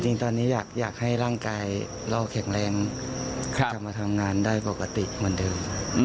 จริงตอนนี้อยากให้ร่างกายเราแข็งแรงกลับมาทำงานได้ปกติเหมือนเดิม